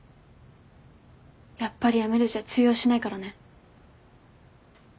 やっぱりやめるじゃ通用しないからね。